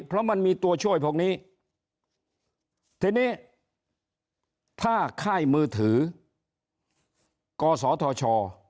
เพราะมันมีตัวช่วยพวกนี้ทีนี้ถ้าค่ายมือถือกศธช